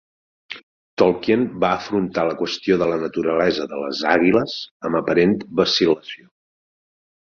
Tolkien va afrontar la qüestió de la naturalesa de les Àguiles amb aparent vacil·lació.